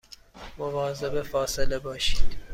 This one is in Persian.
مواظب فاصله باشید